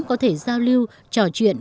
có thể giao lưu trò chuyện